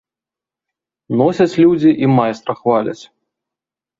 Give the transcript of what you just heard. Носяць людзі і майстра хваляць.